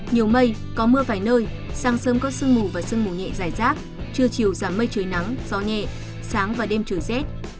nhiều mây có mưa vài nơi sáng sớm có sương mù và sương mù nhẹ dài rác trưa chiều giảm mây trời nắng gió nhẹ sáng và đêm trời rét